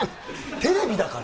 テレビだから。